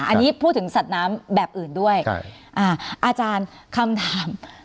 อันนี้พูดถึงสัตว์น้ำแบบอื่นด้วยอาจารย์คำถาม